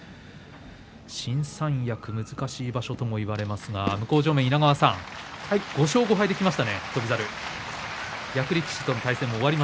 新三役、難しい場所ともいわれますが、向正面の稲川さん５勝５敗できましたね、翔猿。